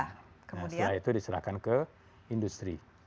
setelah itu diserahkan ke industri